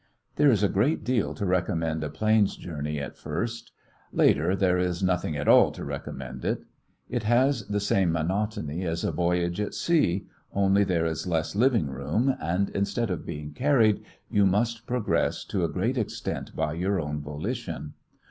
There is a great deal to recommend a plains journey at first. Later, there is nothing at all to recommend it. It has the same monotony as a voyage at sea, only there is less living room, and, instead of being carried, you must progress to a great extent by your own volition.